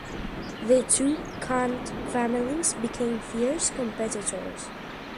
The two Cant families became fierce competitors.